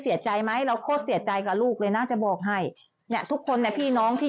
อืมเจ้าสาวไม่อยากให้เป็นข่าวแต่งงานมาสิบสองปี